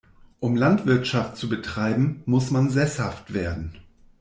Um Landwirtschaft zu betreiben, muss man sesshaft werden.